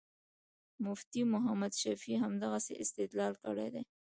مفتي محمد شفیع همدغسې استدلال کړی دی.